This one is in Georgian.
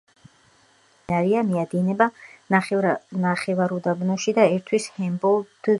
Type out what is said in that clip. მთის მდინარეა, მიედინება ნახევარუდაბნოში და ერთვის ჰუმბოლდტის ტბას.